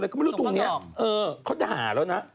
เขาด่าแล้วนะ